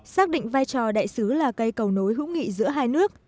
xác định vai trò đại sứ là cây cầu nối hữu nghị giữa hai nước